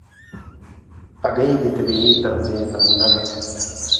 هګۍ د طبیعي تغذیې نمونه ده.